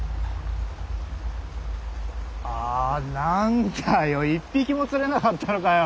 あなんだよ一匹も釣れなかったのかよ。